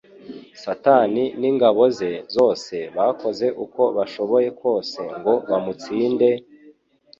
Satani n'ingabo ze zose bakoze uko bashoboye kose ngo bamutsinde,